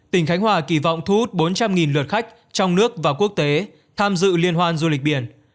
tỉnh khánh hòa kỳ vọng thu hút bốn trăm linh lượt khách trong nước và quốc tế tham dự liên hoan du lịch biển